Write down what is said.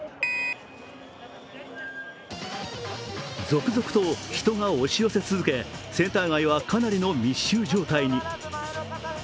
続々と人が押し寄せ続け、センター街はかなりの密集状態に。